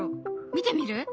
見てみる？